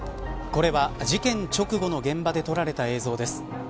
これは、事件直後の現場で撮られた映像です。